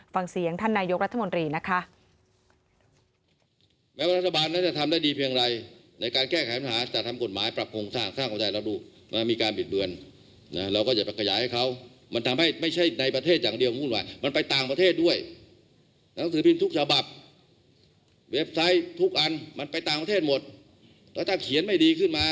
ฟังเสียงท่านนายกรัฐมนตรีนะคะ